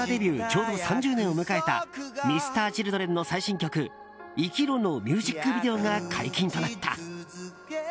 ちょうど３０年を迎えたＭｒ．Ｃｈｉｌｄｒｅｎの最新曲「生きろ」のミュージックビデオが解禁となった。